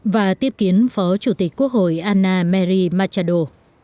và tiếp kiến phó chủ tịch quốc hội anna merri machado